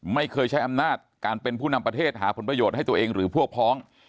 ไม่เคยใช้อำนาจการเป็นผู้นำประเทศหาผลประโยชน์ให้ตัวเองหรือพวกพ้อง